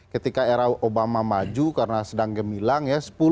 ketika era obama maju karena sedang gemilang ya